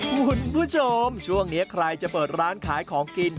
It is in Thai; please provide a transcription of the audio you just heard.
คุณผู้ชมช่วงนี้ใครจะเปิดร้านขายของกิน